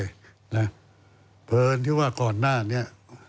เพราะเอิญที่ว่าก่อนหน้านี้